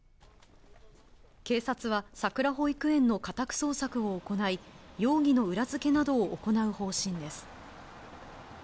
警察はさくら保育園の家宅捜索を行い、容疑の裏付けなどを行う方針です。